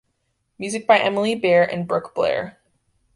Music is by Emily Bear and Brooke Blair.